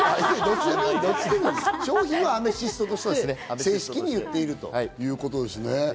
商品はアメシストと正式に言っているということですね。